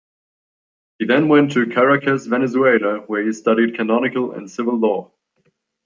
He then went to Caracas, Venezuela where he studied Canonical and Civil Law.